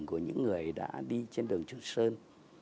của những người đã đi trên đường trường sơn